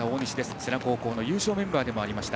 世羅高校の優勝メンバーでもありました。